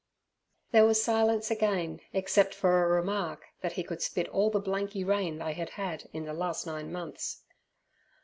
There was silence again, except for a remark that he could spit all the blanky rain they had had in the last nine months.